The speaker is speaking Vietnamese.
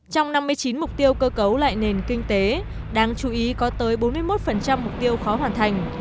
trong năm mươi chín mục tiêu cơ cấu lại nền kinh tế đáng chú ý có tới bốn mươi một mục tiêu khó hoàn thành